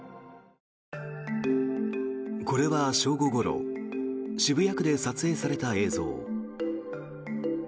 これは正午ごろ渋谷区で撮影された映像。